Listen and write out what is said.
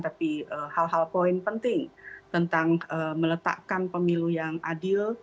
tapi hal hal poin penting tentang meletakkan pemilu yang adil